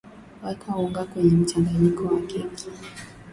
weka unga kwenye mchanganyiko wa keki